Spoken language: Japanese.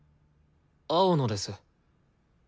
青野です。